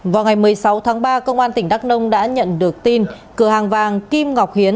vào ngày một mươi sáu tháng ba công an tỉnh đắk nông đã nhận được tin cửa hàng vàng kim ngọc hiến